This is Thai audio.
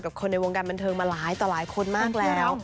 คนในวงการบันเทิงมาหลายต่อหลายคนมากแล้ว